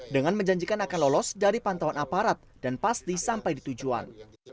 dengan menjanjikan akan lolos dari pantauan aparat dan pasti sampai di tujuan